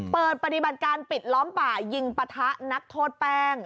เปิดปฏิบัติการปิดล้อมป่ายิงปะทะนักโทษแป้ง